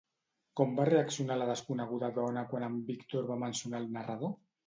Com va reaccionar la desconeguda dona quan en Víctor va mencionar el narrador?